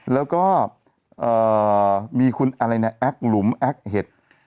แล้วก็มีคุณอะไรนะแอ๊กหลุมแอคเห็ด